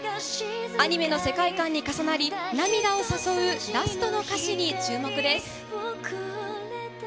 アニメの世界観に重なり、涙を誘うラストの歌詞に注目です。